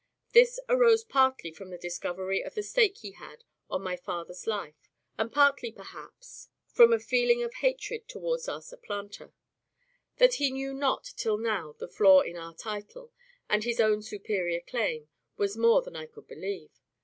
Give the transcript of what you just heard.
This arose partly from the discovery of the stake he had on my father's life, and partly, perhaps, from a feeling of hatred towards our supplanter. That he knew not till now the flaw in our title, and his own superior claim, was more than I could believe.